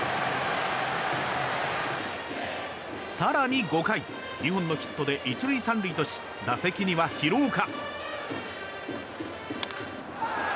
更に、５回２本のヒットで１塁３塁とし打席には廣岡。